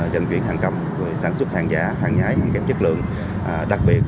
dân viện hàng cấm sản xuất hàng giả hàng giả hàng kép chất lượng